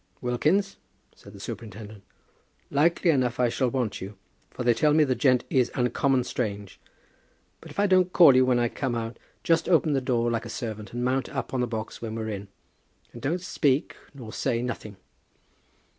"Wilkins," said the superintendent, "likely enough I shall want you, for they tell me the gent is uncommon strange. But if I don't call you when I come out, just open the door like a servant, and mount up on the box when we're in. And don't speak nor say nothing."